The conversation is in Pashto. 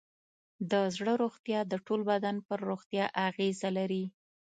د زړه روغتیا د ټول بدن پر روغتیا اغېز لري.